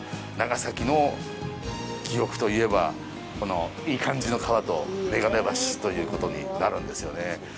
長崎の記憶といえば、このいい感じの川と眼鏡橋ということになるんですよね。